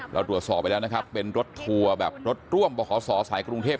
เราตรวจสอบไปแล้วนะครับเป็นรถทัวร์แบบรถร่วมบขศสายกรุงเทพ